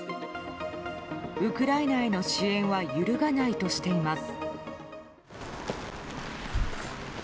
ウクライナへの支援は揺るがないとしています。